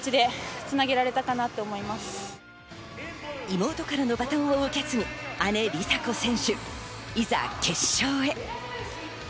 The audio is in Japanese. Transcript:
妹からのバトンを受け継ぎ、姉・梨紗子選手、いざ決勝へ。